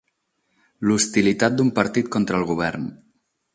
L'hostilitat d'un partit contra el govern.